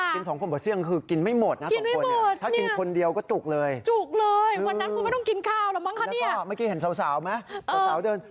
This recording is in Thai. กินสองคนบัดเสี่ยงคือกินไม่หมดนะสองคน